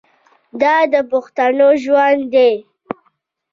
دا د پښتنو ژوند دی.